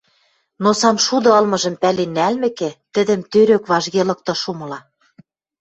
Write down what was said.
Но самшуды ылмыжым пӓлен нӓлмӹкӹ, тӹдӹм тӧрӧк важге лыктын шумыла.